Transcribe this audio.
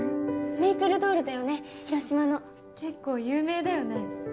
めいぷるどーるだよね広島の結構有名だよね